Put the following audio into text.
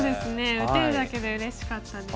打てるだけでうれしかったです。